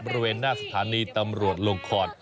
บริเวณหน้าสถานีตำรวจลงคอน